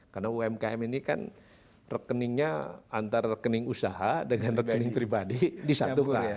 karena umkm ini kan rekeningnya antara rekening usaha dengan rekening pribadi disatukan